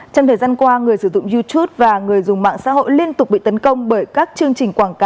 trong thời gian qua người sử dụng youtube và người dùng mạng xã hội liên tục bị tấn công bởi các chương trình quảng cáo